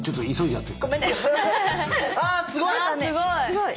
すごい。